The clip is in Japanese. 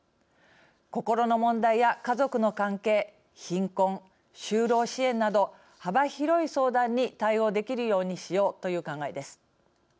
心の問題や家族の関係、貧困など就労支援など幅広い相談に対応できるようにしようという考えです。